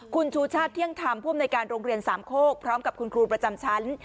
คุณจุธาเที่ยงทำพรุ่งในการโรงเรียนสามโคกพร้อมกับคุณครูประจำชั้น